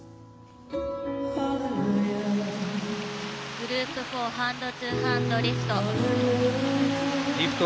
グループ４ハンドトゥハンドリフト。